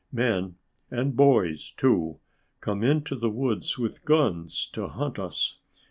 Men and boys, too come into the woods with guns to hunt us.